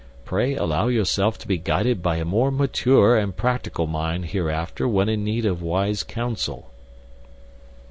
Pray allow yourself to be guided by a more mature and practical mind hereafter when in need of wise counsel."